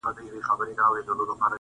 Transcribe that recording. تاته د مفتون او د زهرا خندا یادیږي